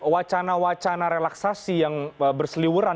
wacana wacana relaksasi yang berseliwuran